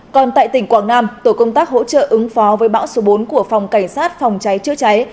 còn tại tỉnh quảng nam tổ công tác hỗ trợ ứng phó với bão số bốn của phòng cảnh sát phòng cháy chữa cháy